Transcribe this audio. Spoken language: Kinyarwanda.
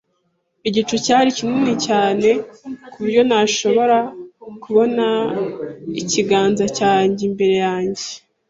Igicu cyari kinini cyane ku buryo ntashobora kubona ikiganza cyanjye imbere yanjye.